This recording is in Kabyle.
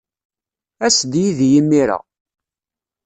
As-d yid-i imir-a.